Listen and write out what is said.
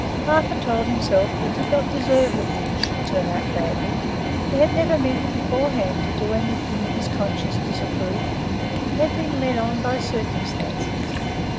Arthur told himself he did not deserve that things should turn out badly. He had never meant beforehand to do anything his conscience disapproved; he had been led on by circumstances.